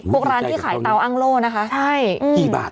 พวกร้านที่ขายเตาอังโล่นะคะ